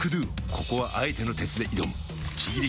ここはあえての鉄で挑むちぎり